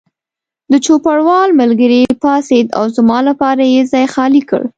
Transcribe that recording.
د چوپړوال ملګری پاڅېد او زما لپاره یې ځای خالي کړ.